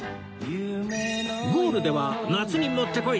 ゴールでは夏に持ってこい！